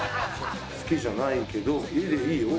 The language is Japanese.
好きじゃないけどいいよ。